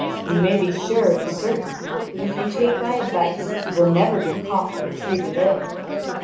You may be sure and certain that if you take my advice you will never be caught or treated ill.